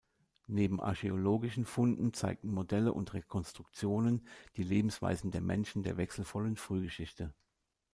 Neben archäologischen Funden zeigten Modelle und Rekonstruktionen die Lebensweisen der Menschen der wechselvollen Frühgeschichte.